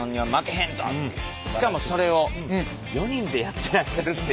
しかもそれを４人でやってらっしゃるっていう。